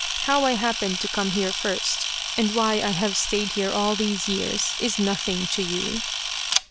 How I happened to come here first, and why I have stayed here all these years, is nothing to you.